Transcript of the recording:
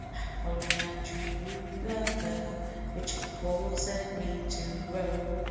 I followed my true lover Which caus ed me to roam."